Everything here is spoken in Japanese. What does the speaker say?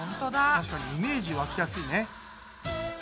確かにイメージ湧きやすいね。